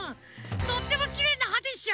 とってもきれいなはでしょ？